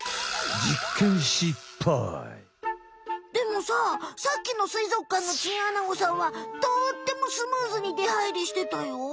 実験失敗！でもささっきのすいぞくかんのチンアナゴさんはとってもスムーズにではいりしてたよ。